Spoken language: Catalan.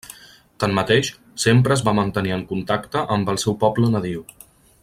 Tanmateix, sempre es va mantenir en contacte amb el seu poble nadiu.